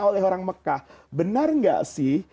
oleh orang mekah benar nggak sih